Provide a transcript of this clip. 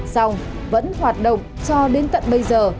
sau vẫn hoạt động cho đến tận bây giờ